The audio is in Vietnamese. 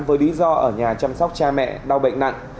với lý do ở nhà chăm sóc cha mẹ đau bệnh nặng